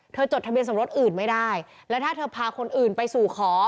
จดทะเบียนสมรสอื่นไม่ได้แล้วถ้าเธอพาคนอื่นไปสู่ขอ